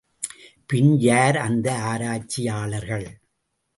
பின் யார், அந்த ஆராய்ச்சியாளர்கள்?